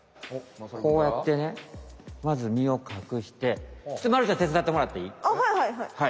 こうやってねまず身をかくしてちょっとまるちゃんてつだってもらっていい？